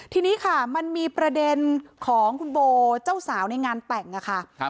ทีนี้ค่ะมันมีประเด็นของคุณโบเจ้าสาวในงานแต่งค่ะ